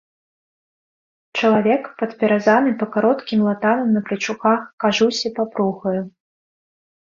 Чалавек падпяразаны па кароткім латаным на плечуках кажусе папругаю.